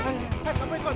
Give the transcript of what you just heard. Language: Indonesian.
hey pak suparman ikut